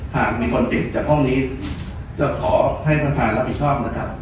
หากมีคนติดจากห้องนี้จะขอให้ท่านประธานรับผิดชอบนะครับ